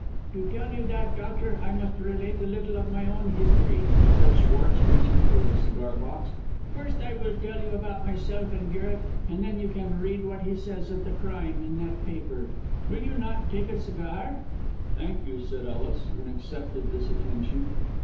"To tell you that, doctor, I must relate a little of my own history," said Schwartz, reaching for the cigar box. "First I will tell you about myself and Garret, and then you can read what he says of the crime in that paper. Will you not take a cigar?" "Thank you," said Ellis, and accepted this attention.